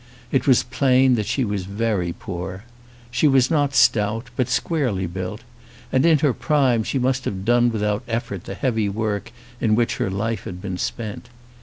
It was plain that she was very poor. She was not stout, but squarely built, and in her prime she must have done without effort the heavy work in which her life had been spent.